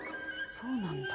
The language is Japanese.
そうなんだ。